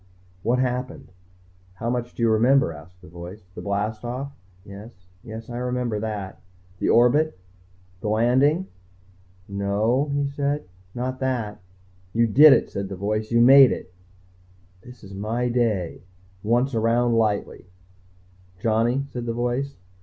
"What happened?" "How much do you remember?" asked the voice. "The blast off?" "Yes yes, I remember that." "The orbit? The landing?" "No," he said. "Not that." "You did it," said the voice. "You made it." This is my day. Once around lightly. "Johnny," said the voice.